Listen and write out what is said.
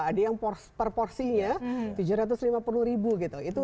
ada yang proporsinya tujuh ratus lima puluh ribu gitu